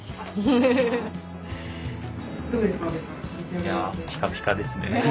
いやピカピカですね。